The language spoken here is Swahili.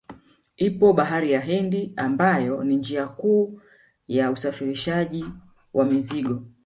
Ipo bahari ya Hindi ambayo ni njia kuu ya usafirishaji wa mizigo